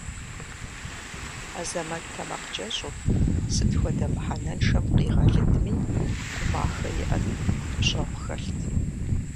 Азэмэт тэмакъкӏэщӏу, сыт хуэдэ мыхьэнэншэм къигъэлыдми, гумахэ иӏэт, гущӏэгъу хэлът.